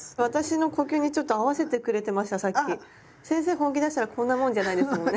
本気出したらこんなもんじゃないですもんね。